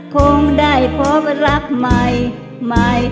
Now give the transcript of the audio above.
คงได้พบรักใหม่